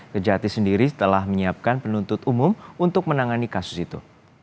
kejati sendiri telah menyiapkan penuntut umum untuk menangani kasus itu